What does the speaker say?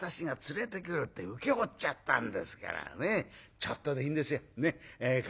ちょっとでいいんですよねっ顔」。